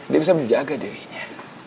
dia bisa menjaga dirinya